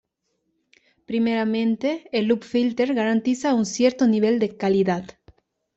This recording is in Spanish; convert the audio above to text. Primeramente, el loop filter garantiza un cierto nivel de calidad.